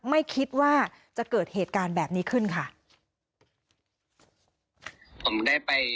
ไม่คิดว่าจะเกิดเหตุการณ์แบบนี้ขึ้นค่ะ